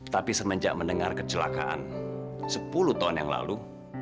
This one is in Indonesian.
tapi semenjak mendengar kecelakaan sepuluh tahun yang lalu